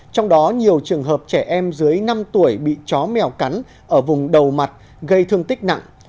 trong đó nhiều trường hợp trẻ em dưới năm tuổi bị chó mèo cắn ở vùng đầu mặt gây thương tích nặng